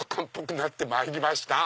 なってまいりました。